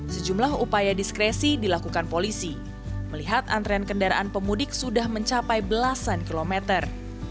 sejumlah upaya diskresi dilakukan polisi melihat antrean kendaraan pemudik sudah mencapai belasan kilometer